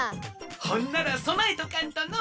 ほんならそなえとかんとの！